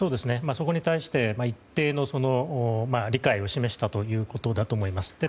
そこに対して一定の理解を示したということだと思います。